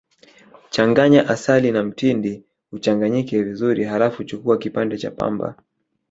Changanya asali na mtindi uchanganyike vizuri Halafu chukua kipande cha pamba